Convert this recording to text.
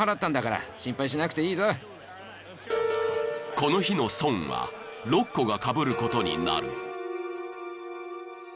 ［この日の損はロッコがかぶることになる］